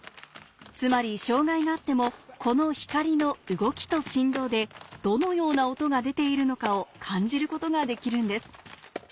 つまり障がいがあってもこの光の動きと振動でどのような音が出ているのかを感じることができるんです